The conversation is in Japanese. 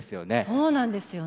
そうなんですよね。